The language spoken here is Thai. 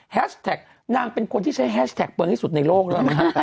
แฮสแท็กนางเป็นคนที่ใช้แฮสแท็กเปิดให้สุดในโลกแล้วนะครับ